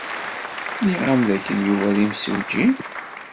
Nniɣ-am dakken Yuba d imsujji?